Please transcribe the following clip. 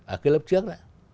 ở cái lớp trước đó